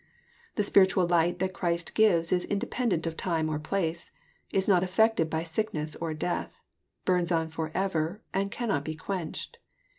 The spiritaal light that Christ gives Is indepen dent of time or place, — is not affected by sickness or death, — burns on forever, and cannot be quenched.